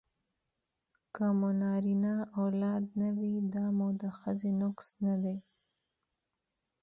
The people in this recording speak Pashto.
که مو نرینه اولاد نه وي دا مو د ښځې نقص نه دی